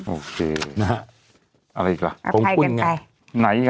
โอเคอาภัยกันไง